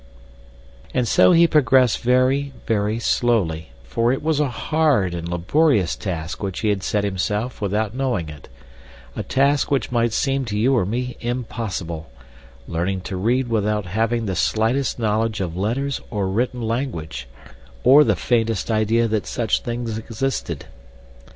And so he progressed very, very slowly, for it was a hard and laborious task which he had set himself without knowing it—a task which might seem to you or me impossible—learning to read without having the slightest knowledge of letters or written language, or the faintest idea that such things existed.